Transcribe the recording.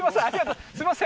すいません